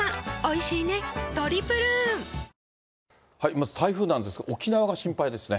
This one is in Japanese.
まず台風なんですが、沖縄が心配ですね。